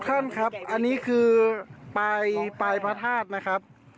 ครับอันนี้คือปลายปลายพระธาตุนะครับ